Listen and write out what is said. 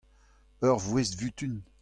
ur voest-vutun.